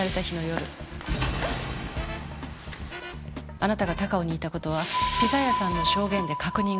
あなたが高尾にいた事はピザ屋さんの証言で確認が取れました。